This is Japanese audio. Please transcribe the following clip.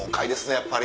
やっぱり。